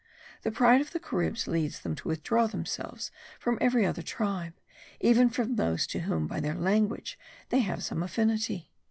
The pride of the Caribs leads them to withdraw themselves from every other tribe; even from those to whom, by their language, they have some affinity.